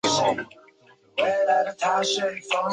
贵州卵叶报春为报春花科报春花属下的一个种。